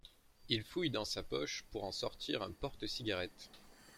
il fouille dans sa poche pour en sortir un porte-cigarette.